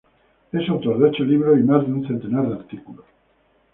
Es autor de ocho libros y más de un centenar de artículos.